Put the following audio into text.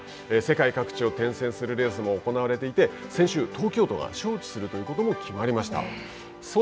世界各地を転戦するレースも行われていて先週、東京都が招致するということも決まりました。